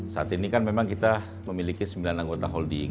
saat ini kan memang kita memiliki sembilan anggota holding